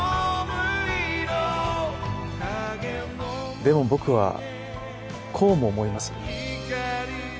でも僕はこうも思います。